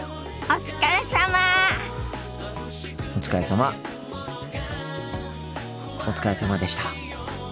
お疲れさまでした。